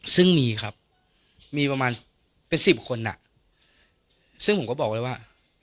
ซึ่งมีครับมีประมาณเป็นสิบคนอ่ะซึ่งผมก็บอกเลยว่า